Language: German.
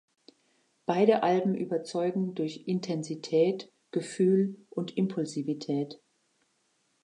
Beide Alben überzeugen durch Intensität, Gefühl und Impulsivität.